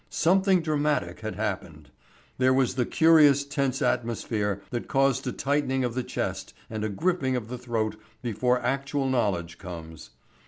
Something dramatic had happened. There was the curious tense atmosphere that causes a tightening of the chest and a gripping of the throat before actual knowledge comes.